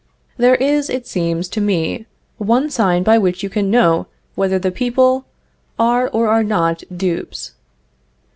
There is, it seems to me, one sign by which you can know whether the people are or are not dupes.